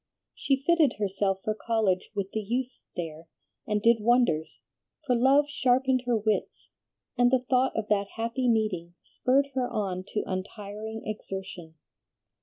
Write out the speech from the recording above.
She fitted herself for college with the youths there, and did wonders; for love sharpened her wits, and the thought of that happy meeting spurred her on to untiring exertion.